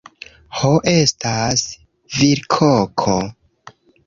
Ho, estas virkoko